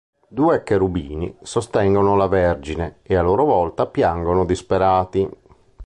Due cherubini sostengono la Vergine e a loro volta piangono disperati.